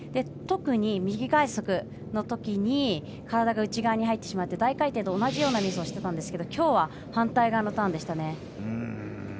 特に、右外足のときに体が内側に入ってしまって大回転と同じようなミスをしてしまったんですがきょうは反対側のターンでしたね。